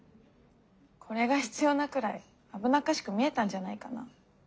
これが必要なくらい危なっかしく見えたんじゃないかな。